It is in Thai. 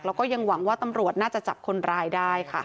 แล้วก็ยังหวังว่าตำรวจน่าจะจับคนร้ายได้ค่ะ